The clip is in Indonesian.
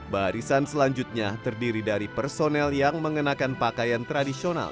barisan selanjutnya terdiri dari personel yang mengenakan pakaian tradisional